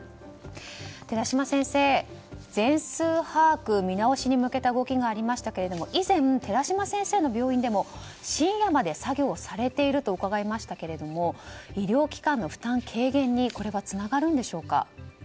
寺嶋先生、全数把握見直しに向けた動きがありましたが以前、寺嶋先生の病院でも深夜まで作業されていると伺いましたけど医療機関の負担軽減にこれはつながるんでしょうか？